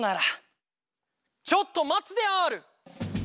・ちょっとまつである！